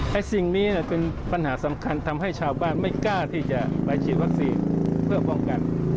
สิ่งนี้เป็นปัญหาสำคัญทำให้ชาวบ้านไม่กล้าที่จะไปฉีดวัคซีนเพื่อป้องกัน